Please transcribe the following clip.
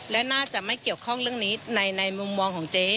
และน่าจะไม่เกี่ยวข้องเรื่องนี้ในมุมมองของเจ๊